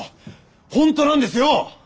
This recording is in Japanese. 本当なんですよ！